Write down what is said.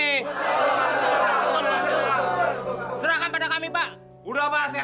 kita serahkan sama pak rt tenang tenang